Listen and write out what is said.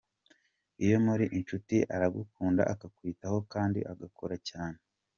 Iyo muri inshuti aragukunda akakwitaho kandi agakora cyane.